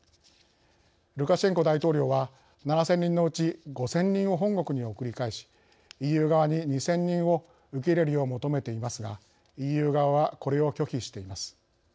ルカシェンコ大統領は７０００人のうち５０００人を本国に送り返しＥＵ側に２０００人を受け入れるよう求めていますがＥＵ側はこれを拒否しています。